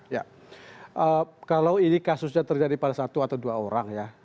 ya kalau ini kasusnya terjadi pada satu atau dua orang ya